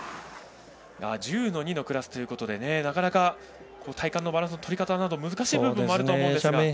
１０−２のクラスということでなかなか、体幹のバランスの取り方など難しい部分もあるとは思うんですが。